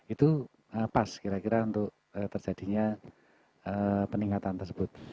itu pas kira kira untuk terjadinya peningkatan tersebut